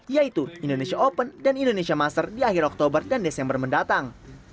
yaitu indonesia open dan indonesia master di akhir oktober dan desember mendatang